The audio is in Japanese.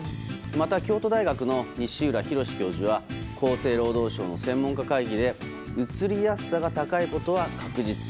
また、京都大学の西浦博教授は厚生労働省の専門家会議でうつりやすさが高いことは確実。